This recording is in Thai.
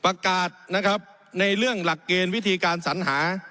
ประกาศนะครับในเรื่องหลักเกณฑ์วิธีการสัญหา